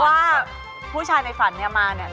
ว่าผู้ชายในฝันเนี่ยมาเนี่ย